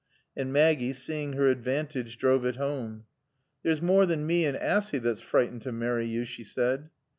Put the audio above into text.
And Maggie, seeing her advantage, drove it home. "There's more than mae and Assy thot's freetened t' marry yo," she said.